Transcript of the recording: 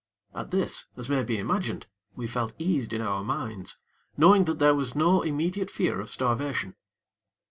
At this, as may be imagined, we felt eased in our minds, knowing that there was no immediate fear of starvation.